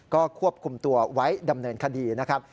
ก็ควบคุมตัวไว้ดำเนินคดีนะครับ